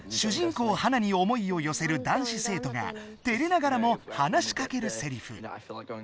こうハナに思いをよせる男子せいとがてれながらも話しかけるセリフ。